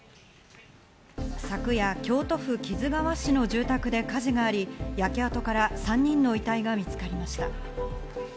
昨夜、京都府木津川市の住宅で火事があり、焼け跡から３人の遺体が見つかりました。